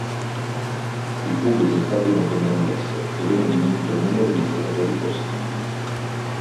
Il pubblico infatti non venne ammesso, e venne diminuito il numero di giocatori disponibili.